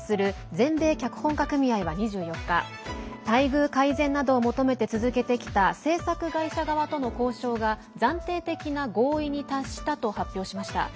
全米脚本家組合は２４日待遇改善などを求めて続けてきた製作会社側との交渉が暫定的な合意に達したと発表しました。